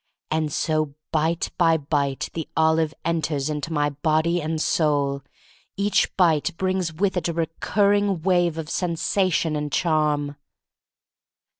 And so, bite by bite, the olive enters into my body and soul. Each bite brings with it a recurring wave of sen sation and charm.